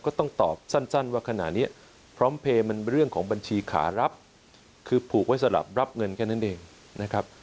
ก็ต้องตอบสั้นว่าขณะนี้พร้อมเพลย์มันเรื่องของบัญชีขารับคือผูกไว้สำหรับรับเงินแค่นั้นเองนะครับ